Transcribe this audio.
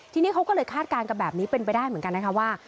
ทีนี้เขาก็เลยคาดการณ์กันแบบนี้เป็นไปได้เหมือนกันนะคะว่า